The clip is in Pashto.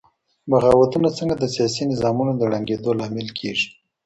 بغاوتونه څنګه د سياسي نظامونو د ړنګېدو لامل کېږي؟